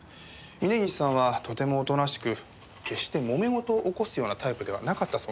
峰岸さんはとてもおとなしく決してもめ事を起こすようなタイプではなかったそうなんです。